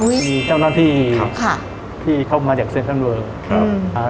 อุ๊ยมีเจ้าหน้ากรครับที่เข้ามาแดกเซฟเวิงเวิลครับอ่า